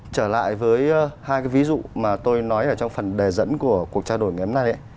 trở lại với hai cái ví dụ mà tôi nói ở trong phần đề dẫn của cuộc trao đổi ngày hôm nay